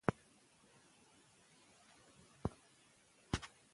د مېګرین بشپړ درملنه لا وخت ته اړتیا لري.